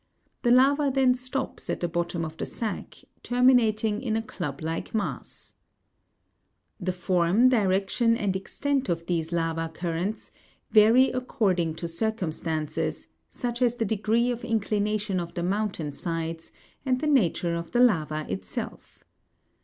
The lava then stops at the bottom of the sack, terminating fig. 2QQ. Lava current arrested in a club like mass (Jig. 200). The ^ on a sl P e form, direction, and extent of these lava currents vary according to circumstances, such as the degree of inclination of the mountain sides, and the nature of the lava itself.